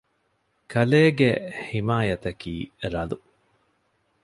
ކަލޭގެ ޙިމާޔަތަކީ ރަލު